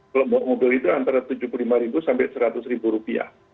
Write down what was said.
membuat mobil itu antara rp tujuh puluh lima rp seratus